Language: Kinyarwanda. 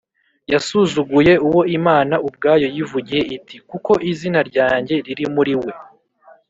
yasuzuguye uwo imana ubwayo yivugiye iti, “kuko izina ryanjye riri muri we